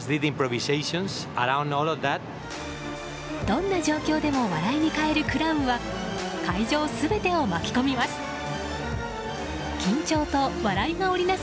どんな状況でも笑いに変えるクラウンは会場全てを巻き込みます。